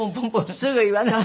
すぐ言わない。